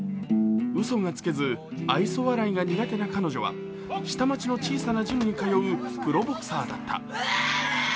うそがつけず愛想笑いが苦手な彼女は下町の小さなジムに通うプロボクサーだった。